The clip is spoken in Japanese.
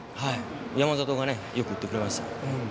山里がよく打ってくれました。